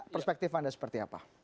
perspektif anda seperti apa